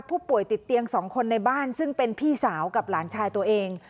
ผู้ป่วยติดเตียง๒คนในบ้านซึ่งเป็นพี่สาวกับหลานชายตัวเอง